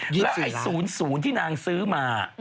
แล้วไอ้๐๐ที่นางซื้อมา